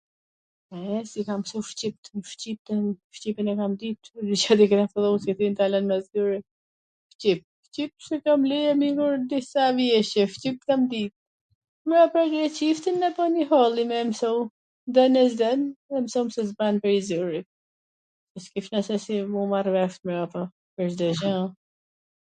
e, si kam msu shqipt, shqipt un? shqipen e kam dit ... shqip, se kam le ... disa vjeCe, shqip kam dit, mrapa greqishten na bani halli me e msu, don a s don, e mson se s ban prej zorit, s kisha se si m u marr vesh me ata pwr Cdo gja,